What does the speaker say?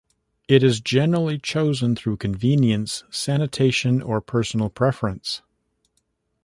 It is generally chosen through convenience, sanitation, or personal preference.